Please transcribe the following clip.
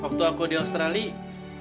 waktu aku di australia